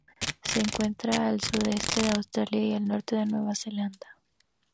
Se encuentra al sudeste de Australia y al norte de Nueva Zelanda.